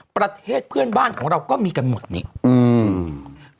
ประเทศเพื่อนบ้านของเราก็มีกันหมดนี่อืม